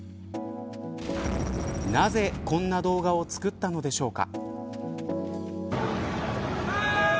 なぜ、こんな動画を作ったのでしょうか。